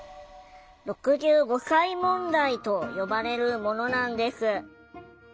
「６５歳問題」と呼ばれるものなんです。